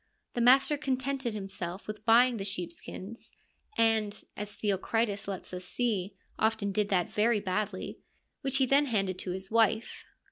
The master contented himself with buying the sheep skins — and, as Theocritus lets us see, often did that very badly — which he then handed to his wife.